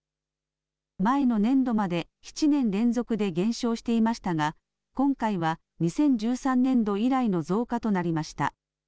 前の年度まで７年連続で減少していましたが今回は２０１３年度以来の増加となりました。